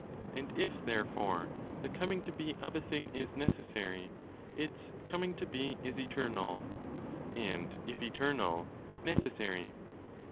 And if, therefore, the 'coming to be' of a thing is necessary, its ' coming to be' is eternal; and if eternal, necessary.